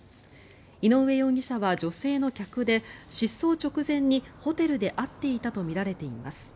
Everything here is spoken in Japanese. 井上容疑者は女性の客で失踪直前にホテルで会っていたとみられています。